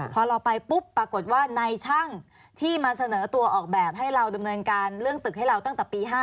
พอเราไปปุ๊บปรากฏว่าในช่างที่มาเสนอตัวออกแบบให้เราดำเนินการเรื่องตึกให้เราตั้งแต่ปี๕๗